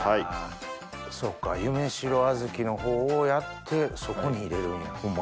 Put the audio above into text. そっか夢白小豆のほうをやってそこに入れるんやホンマ